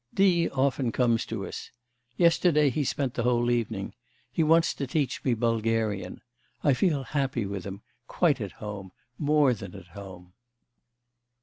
'... D. often comes to us. Yesterday he spent the whole evening. He wants to teach me Bulgarian. I feel happy with him, quite at home, more than at home.